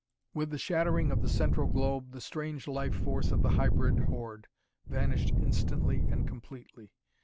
With the shattering of the central globe the strange life force of the hybrid horde vanished instantly and completely.